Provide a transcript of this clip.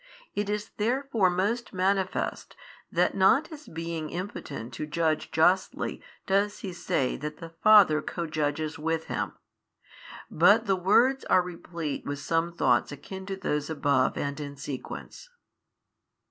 It is therefore most manifest, that not as being impotent to judge justly does He say that the Father co judges with Him, but the words are replete with some thoughts akin to those above and in sequence.